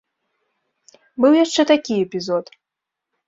Быў яшчэ такі эпізод.